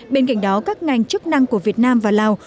bên cạnh đó các ngành chức năng của việt nam và lào